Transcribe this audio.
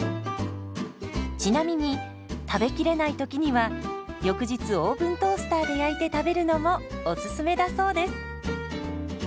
ちなみに食べきれないときには翌日オーブントースターで焼いて食べるのもおすすめだそうです。